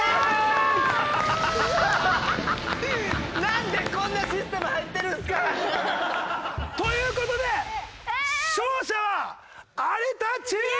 なんでこんなシステム入ってるんですか！？という事で勝者は有田チーム！